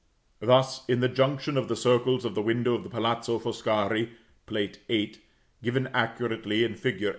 Thus, in the junction of the circles of the window of the Palazzo Foscari, Plate VIII., given accurately in fig.